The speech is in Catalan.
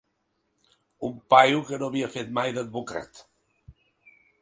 Un paio que no havia fet mai d’advocat!